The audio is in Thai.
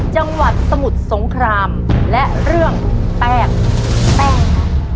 จังหวัดสมุทรสงครามและเรื่องแป้งแป้งค่ะ